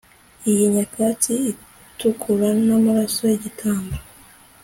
iyi nyakatsi itukura n'amaraso yigitambo